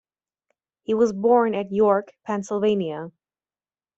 He was born at York, Pennsylvania.